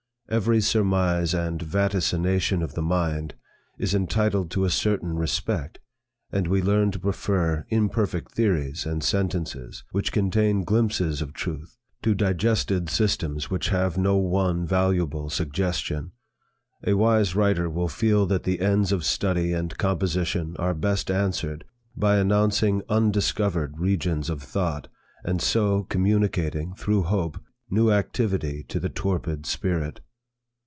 Every surmise and vaticination of the mind is entitled to a certain respect, and we learn to prefer imperfect theories, and sentences, which contain glimpses of truth, to digested systems which have no one valuable suggestion. A wise writer will feel that the ends of study and composition are best answered by announcing undiscovered regions of thought, and so communicating, through hope, new activity to the torpid spirit.